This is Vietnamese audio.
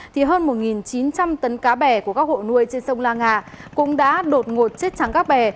thì hơn một chín trăm linh tấn cá bè của các hộ nuôi trên sông la nga cũng đã đột ngột chết trắng các bè